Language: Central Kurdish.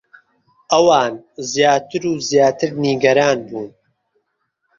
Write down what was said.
ئەوان زیاتر و زیاتر نیگەران بوون.